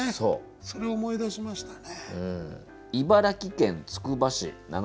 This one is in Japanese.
それを思い出しましたね。